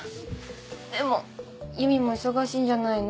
でもゆみも忙しいんじゃないの？